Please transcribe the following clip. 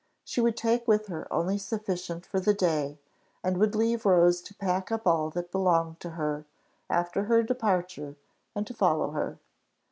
She would take with her only sufficient for the day, and would leave Rose to pack up all that belonged to her, after her departure, and to follow her.